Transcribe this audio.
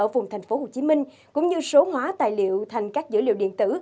của thành phố hồ chí minh cũng như số hóa tài liệu thành các dữ liệu điện tử